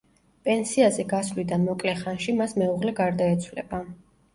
პენსიაზე გასვლიდან მოკლე ხანში მას მეუღლე გარდაეცვლება.